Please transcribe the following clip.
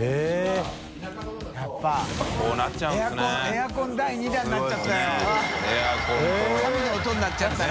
エアコン第２弾になっちゃったよ┘